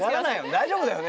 大丈夫だよね？